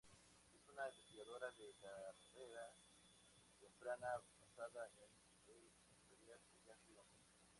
Es una Investigadora de Carrera Temprana basada en el Imperial College London.